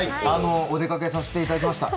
お出かけさせていただきました。